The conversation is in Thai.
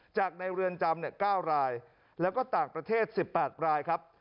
จากในเรือนจำ๙รายแล้วก็ต่างประเทศ๑๘รายครับ